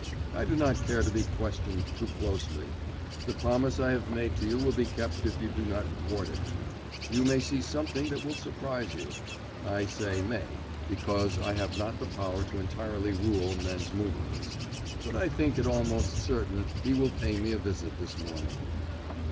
I do not care to be questioned too closely. The promise I have made to you will be kept if you do not thwart it. You may see something that will surprise you. I say 'may,' because I have not the power to entirely rule men's movements. But I think it almost certain he will pay me a visit this morning."